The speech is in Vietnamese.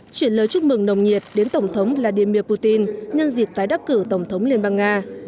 chuyển lời chúc mừng nồng nhiệt đến tổng thống vladimir putin nhân dịp tái đắc cử tổng thống liên bang nga